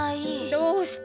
どうして？